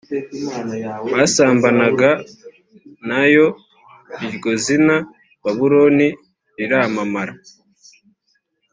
basambanaga na yo iryo zina babuloni riramamara